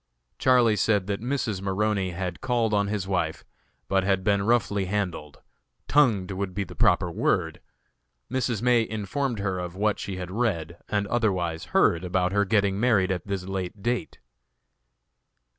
Charlie said that Mrs. Maroney had called on his wife, but had been roughly handled tongued would be the proper word. Mrs. May informed her of what she had read and otherwise heard about her getting married at this late date.